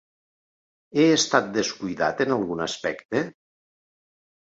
He estat descuidat en algun aspecte?